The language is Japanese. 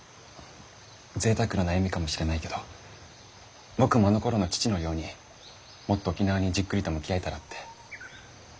ぜいたくな悩みかもしれないけど僕もあのころの父のようにもっと沖縄にじっくりと向き合えたらって。